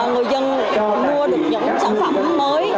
người dân mua được những sản phẩm mới